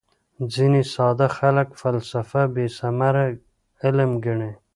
ځیني ساده خلک فلسفه بېثمره علم ګڼي.